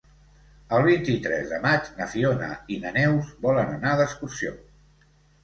El vint-i-tres de maig na Fiona i na Neus volen anar d'excursió.